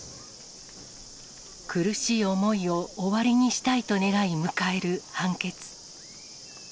苦しい思いを終わりにしたいと願い、迎える判決。